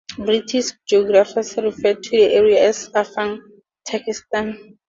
British geographers referred to the area as Afghan Turkestan.